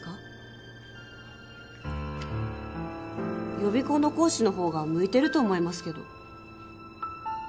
予備校の講師の方が向いてると思いますけど。